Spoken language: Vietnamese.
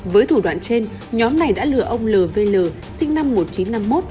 với thủ đoạn trên nhóm này đã lừa ông lv sinh năm một nghìn chín trăm năm mươi một